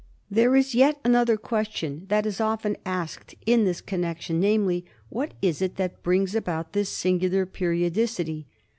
There is yet another question that is often asked in this connection, namely, what is it that brings about this singular periodicity